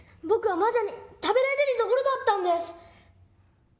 僕は魔女に食べられるところだったんです！